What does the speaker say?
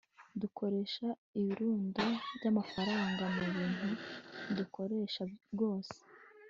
dukoresha ibirundo byamafaranga mubintu tudakoresha rwose